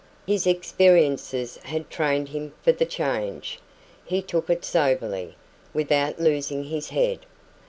His experiences had trained him for the change. He took it soberly, without losing his head.